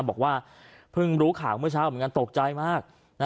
บอกว่าเพิ่งรู้ข่าวเมื่อเช้าเหมือนกันตกใจมาก